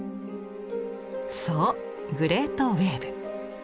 そうグレートウエーブ。